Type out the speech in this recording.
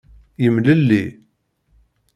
Yemlelli.